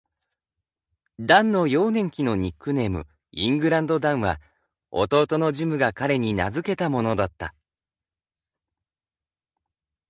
ダンの幼年期のニックネーム「イングランド・ダン」は、弟のジムが彼に名付けたものだった。